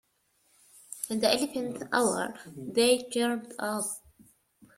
On the eleventh hour, they turned up.